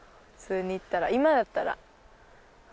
普通にいったら今だったら。